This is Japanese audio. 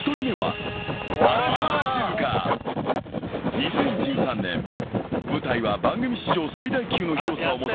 ［２０１３年舞台は番組史上最大級の広さを持つ］